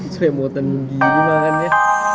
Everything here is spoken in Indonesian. seremotan gini makannya